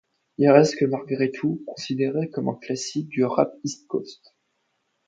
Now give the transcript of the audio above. Il reste malgré tout considéré comme un classique du rap East Coast.